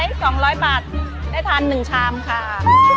คิมการล้างไป๒๐๐บาทได้ทานหนึ่งชามค่ะ